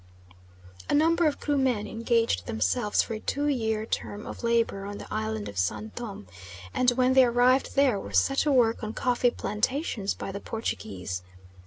A number of Krumen engaged themselves for a two years' term of labour on the Island of San Thome, and when they arrived there, were set to work on coffee plantations by the Portuguese.